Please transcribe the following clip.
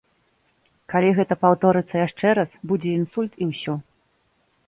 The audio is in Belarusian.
Калі гэта паўторыцца яшчэ раз, будзе інсульт, і ўсё.